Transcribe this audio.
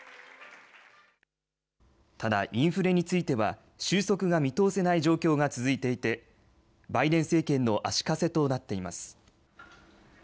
ただ、インフレについては収束が見通せない状況が続いていてバイデン政権の足かせとなっています。